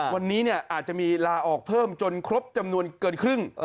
วันนี้อาจจะมีลาออกเพิ่มจนครบจำนวนเกินครึ่ง